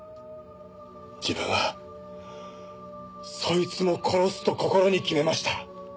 自分はそいつも殺すと心に決めました。